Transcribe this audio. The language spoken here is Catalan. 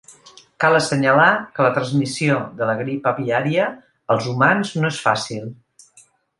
Cal assenyalar que la transmissió de la grip aviària als humans no és fàcil.